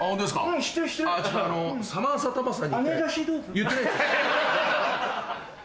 言ってないですよ。